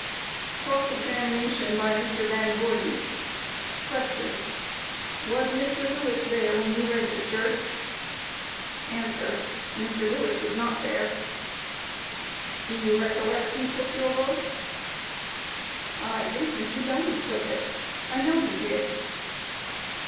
Cross Examination by MR. VAN VOORHIS: Q. Was Mr. Lewis there when you registered? A. Mr. Lewis was not there. Q. Do you recollect who took your vote? A. I think Mr. Jones took it; I know he did.